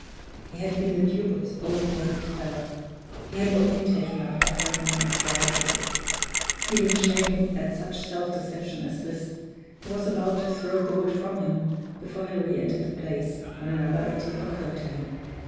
he had been the dupe of his own morbid terror he had only taken up a fragment of dried wood! Feeling shame at such self deception as this, he was about to throw the wood from him before he re entered the place, when another idea occurred to him.